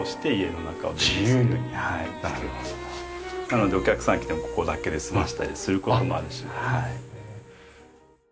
なのでお客さんが来てもここだけで済ませたりする事もあるし。